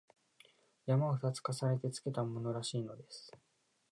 「山」を二つ重ねてつけたものらしいのです